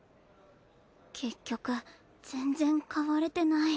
結局全然変われてない。